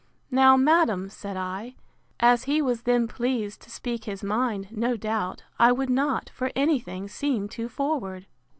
Now, madam, said I, as he was then pleased to speak his mind, no doubt, I would not, for any thing, seem too forward.